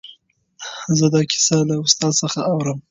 زه دا کیسه له استاد څخه اورم.